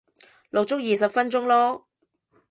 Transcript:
錄足二十分鐘咯